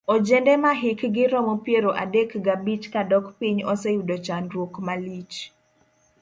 Ojende mahikgi romo piero adek gabich kadok piny oseyudo chandruok malich.